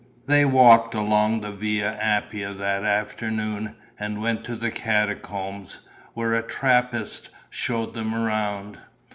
They walked along the Via Appia that afternoon and went to the Catacombs, where a Trappist showed them round.